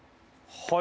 はい。